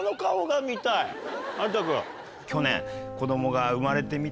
去年。